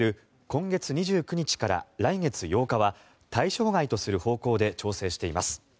今月２９日から来月８日は対象外とする方向で調整しています。